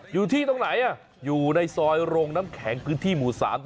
อยู่ที่ตรงไหนอยู่ในซอยโรงน้ำแข็งพื้นที่หมู่๓